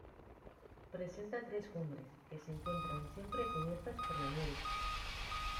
Presenta tres cumbres, que se encuentran siempre cubiertas por la nieve.